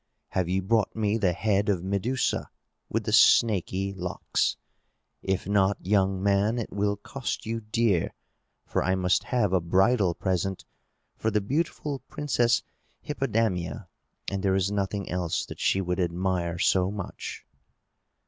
"Have you brought me the head of Medusa with the snaky locks? If not, young man, it will cost you dear; for I must have a bridal present for the beautiful Princess Hippodamia, and there is nothing else that she would admire so much."